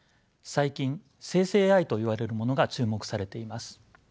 最近生成ＡＩといわれるものが注目されています。